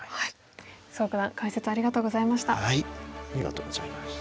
蘇九段解説ありがとうございました。